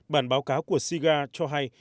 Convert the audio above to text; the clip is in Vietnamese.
bản báo cáo của sigat cho hay